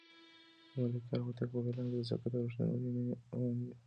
د ملکیار هوتک په کلام کې د صداقت او رښتونې مینې غږ دی.